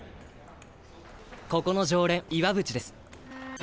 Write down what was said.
ここの常連岩渕です。